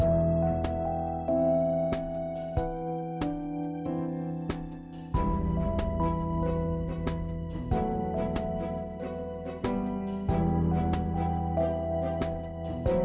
agak penting udah selesai pributin saja